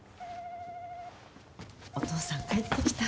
お父さん、帰ってきた。